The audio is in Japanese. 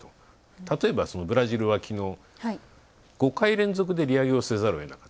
例えばブラジルは、きのう５回連続で利上げをせざるをえない。